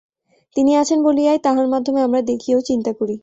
তিনি আছেন বলিয়াই তাঁহার মাধ্যমে আমরা দেখি ও চিন্তা করি।